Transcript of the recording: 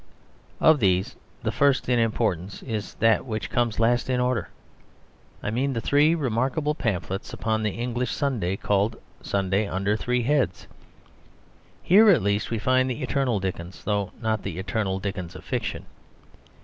Of these the first in importance is that which comes last in order. I mean the three remarkable pamphlets upon the English Sunday, called Sunday under Three Heads. Here, at least, we find the eternal Dickens, though not the eternal Dickens of fiction.